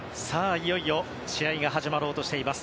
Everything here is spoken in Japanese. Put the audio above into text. いよいよ試合が始まろうとしています。